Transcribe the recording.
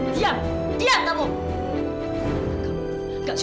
diam diam kamu